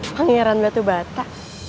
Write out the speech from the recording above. pangeran batu bata